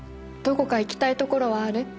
どこか行きたいところはある？